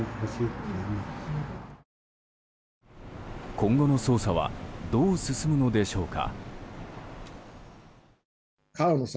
今後の捜査はどう進むのでしょうか。